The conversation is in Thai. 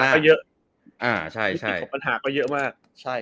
มิติของปัญหาก็เยอะมาก